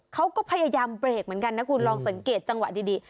เขาก็พยายามเบรกเหมือนกันนะคุณลองสังเกตจังหวะดี